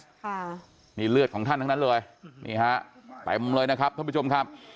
ค่ะนี่เลือดของท่านทั้งนั้นเลยนี่ฮะเต็มเลยนะครับท่านผู้ชมครับ